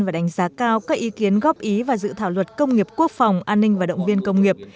và đánh giá cao các ý kiến góp ý và dự thảo luật công nghiệp quốc phòng an ninh và động viên công nghiệp